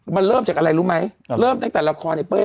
มันเริ่มจากอะไรรู้ไหมเริ่มตั้งแต่ละครไอ้เป้ย